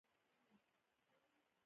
زما مخې ته دې ودرېږي.